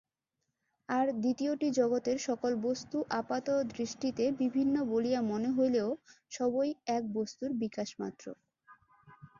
আর দ্বিতীয়টি জগতের সকল বস্তু আপাতদৃষ্টিতে বিভিন্ন বলিয়া মনে হইলেও সবই এক বস্তুর বিকাশমাত্র।